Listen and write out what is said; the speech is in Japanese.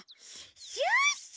シュッシュ！